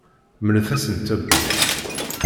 Mlet-asen tawwurt.